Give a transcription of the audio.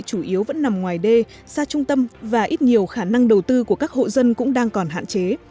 chủ yếu vẫn nằm ngoài đê xa trung tâm và ít nhiều khả năng đầu tư của các hộ dân cũng đang còn hạn chế